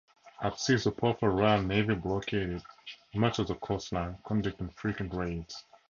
At sea, the powerful Royal Navy blockaded much of the coastline, conducting frequent raids.